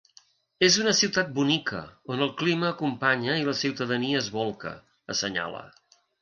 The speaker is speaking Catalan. “És una ciutat bonica, on el clima acompanya i la ciutadania es bolca”, assenyala.